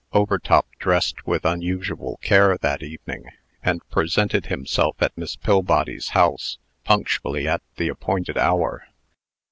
Overtop dressed with unusual care that evening, and presented himself at Miss Pillbody's house, punctually at the appointed hour.